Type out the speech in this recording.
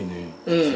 うん。